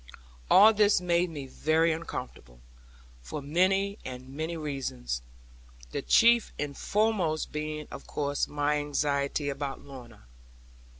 All this made me very uncomfortable, for many and many reasons, the chief and foremost being of course my anxiety about Lorna.